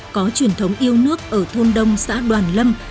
có truyền thống yêu nước ở thôn đông xã đoàn lâm